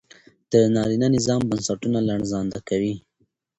د نارينه نظام بنسټونه لړزانده کوي